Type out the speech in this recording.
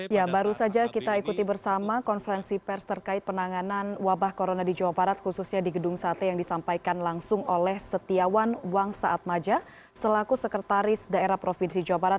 ya baru saja kita ikuti bersama konferensi pers terkait penanganan wabah corona di jawa barat khususnya di gedung sate yang disampaikan langsung oleh setiawan wang saatmaja selaku sekretaris daerah provinsi jawa barat